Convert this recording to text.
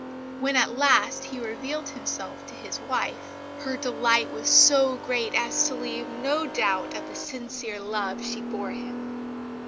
When at last he revealed himself to his wife, her delight was so great as to leave no doubt of the sincere love she bore him.